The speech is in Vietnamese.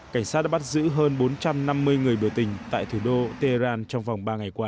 cảnh sát đã bắt giữ hơn bốn trăm năm mươi người biểu tình tại thủ đô tehran trong vòng ba ngày qua